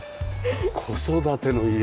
子育ての家。